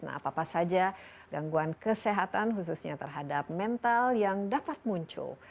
nah apa apa saja gangguan kesehatan khususnya terhadap mental yang dapat muncul